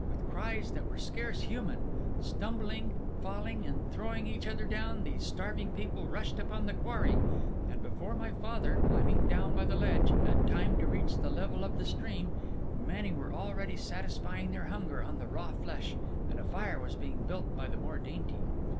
With cries that were scarce human, stumbling, falling and throwing each other down, these starving people rushed upon the quarry; and before my father, climbing down by the ledge, had time to reach the level of the stream, many were already satisfying their hunger on the raw flesh, and a fire was being built by the more dainty.